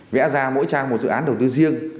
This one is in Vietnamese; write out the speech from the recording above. vẽ ra mỗi trang một dự án đầu tư riêng